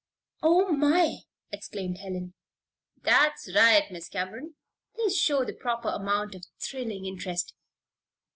"Oh my!" exclaimed Helen. "That's right, Miss Cameron. Please show the proper amount of thrilling interest.